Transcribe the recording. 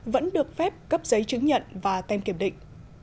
vẫn được phép cấp giấy chứng nhận và tem kiểm định